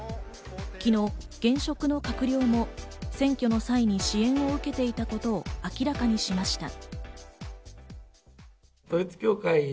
昨日、現職の閣僚も選挙の際に支援を受けていたことを明らかにしました。